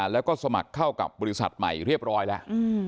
แล้วก็สมัครเข้ากับบริษัทใหม่เรียบร้อยแล้ว